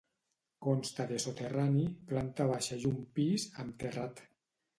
Consta de soterrani, planta baixa i un pis, amb terrat.